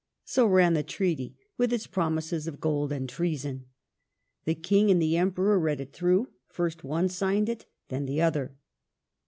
So ran the treaty, with its promises of gold and treason. The King and the Emperor read it through. First one signed it, then the other.